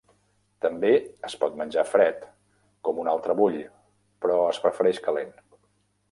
També es pot menjar fred, com un altre bull, però es prefereix calent.